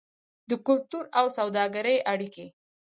د کلتور او سوداګرۍ اړیکې.